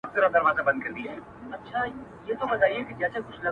o هلته د ژوند تر آخري سرحده ـ